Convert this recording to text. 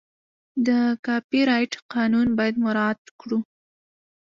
د کاپي رایټ قانون باید مراعت کړو.